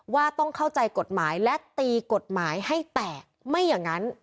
ว่าต้องเข้าใจกฎหมายและตีกฎหมายให้แตกไม่อย่างนั้น